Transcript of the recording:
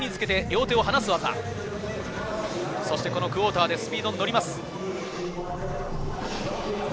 そして、このクォーターでスピードに乗ります。